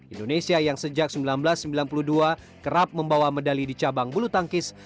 indonesia yang sejak seribu sembilan ratus sembilan puluh dua kerap membawa medali di cabang bulu tangkis